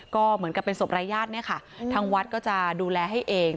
ก็เหมือนกับเป็นศพรายญาติเนี่ยค่ะทางวัดก็จะดูแลให้เอง